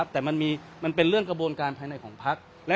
แต่มันเป็นเรื่องกระบวนการภายในของพัก